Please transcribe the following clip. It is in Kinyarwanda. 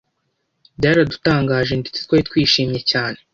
byaradutangaje ndetse twari twishimye cyane